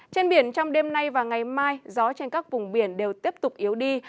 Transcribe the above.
trên biển trong đêm nay và ngày mai gió trên các vùng biển đều tiếp tục yếu đi